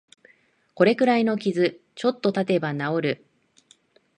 これくらいの傷、ちょっとたてば治る